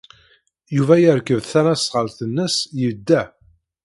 Yuba yerkeb tasnasɣalt-nnes, yedda.